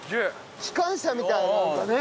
機関車みたいなんかね。